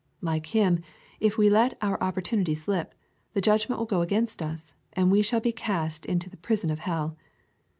— Like him, if we let our op portunity slip, the judgment will go against us, and we shall be cast into the prison of hell.